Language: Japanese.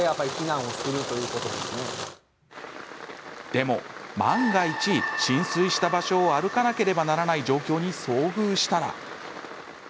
でも万が一、浸水した場所を歩かなければならない状況に遭遇したら？